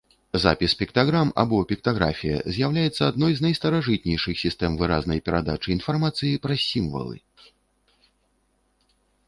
Запіс піктаграм або піктаграфія з'яўляецца адной з найстаражытнейшых сістэм выразнай перадачы інфармацыі праз сімвалы.